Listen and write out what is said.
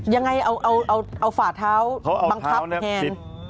ยังไงเอาฝ่าเท้าบังคับแทน